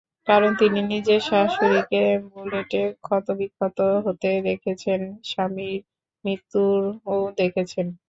কারণ, তিনি নিজের শাশুড়িকে বুলেটে ক্ষতবিক্ষত হতে দেখেছেন, স্বামীর মৃত্যুও দেখেছেন।